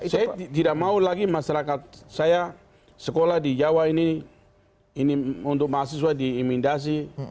saya tidak mau lagi masyarakat saya sekolah di jawa ini ini untuk mahasiswa diimidasi